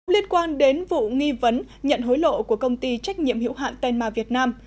liên quan đến vụ nghi vấn nhận hối lộ của công ty trách nhiệm hiệu hạn tenma việt nam